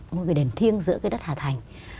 ngôi đền thiêng giữa cái đất hà thành